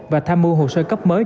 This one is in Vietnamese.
và tham mưu hồ sơ cấp mới